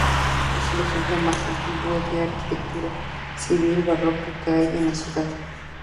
Es el ejemplo más antiguo de arquitectura civil barroca que hay en la ciudad.